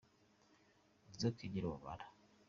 inzoka igira ubumara